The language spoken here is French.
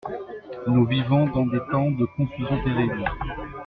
Nous vivons dans des temps de confusion terrible.